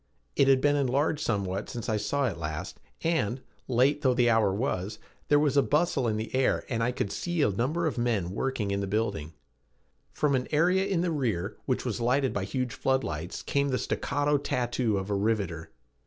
It had been enlarged somewhat since I saw it last and, late though the hour was, there was a bustle in the air and I could see a number of men working in the building. From an area in the rear, which was lighted by huge flood lights, came the staccato tattoo of a riveter.